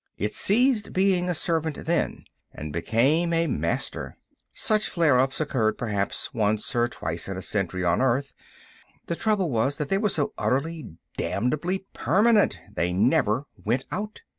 It ceased being a servant then, and became a master. Such flare ups occurred, perhaps, only once or twice in a century on Earth; the trouble was that they were so utterly, damnably permanent. They never went out.